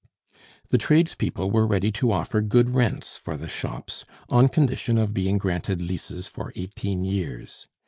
The tradespeople were ready to offer good rents for the shops, on condition of being granted leases for eighteen years.